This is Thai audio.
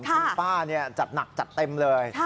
คุณป้าจัดหนักจัดเต็มเลย